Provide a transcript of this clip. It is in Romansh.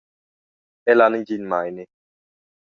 El ha negin meini.